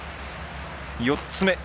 ４つ目。